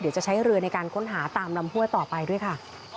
เดี๋ยวจะใช้เรือในการค้นหาตามลำห้วยต่อไปด้วยค่ะ